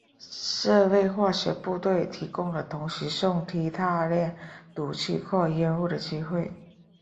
这为化学部队提供了同时送递大量毒气或烟雾的机会。